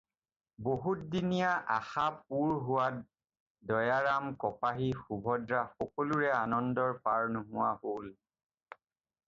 বহুত দিনীয়া আশা পূৰ হোৱাত দয়াৰাম, কপাহী, সুভদ্ৰা-সকলোৰে আনন্দৰ পাৰ নোহোৱা হ'ল।